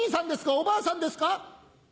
おばあさんです。